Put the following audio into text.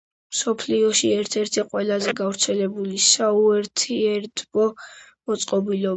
მსოფლიოში ერთ-ერთი ყველაზე გავრცელებული საურთიერთობო მოწყობილობაა.